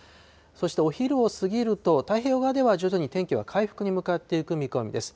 そしてお昼を過ぎると、太平洋側では徐々に天気は回復に向かっていく見込みです。